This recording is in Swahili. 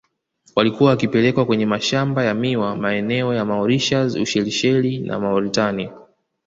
Walikuwa wakipelekwa kwenye mashamba ya miwa maeneo ya Mauritius Ushelisheli na Mauritania